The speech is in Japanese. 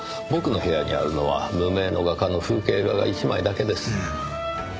僕の部屋にあるのは無名の画家の風景画が１枚だけです。